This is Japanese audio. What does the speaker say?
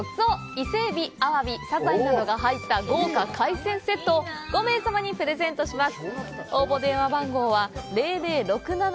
伊勢海老、アワビ、サザエなどが入った豪華海鮮セットを５名様にプレゼントします。